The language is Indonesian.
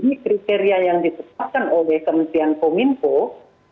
jadi kriteria yang ditetapkan oleh kementerian komunikasi